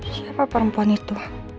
siapa perempuan itu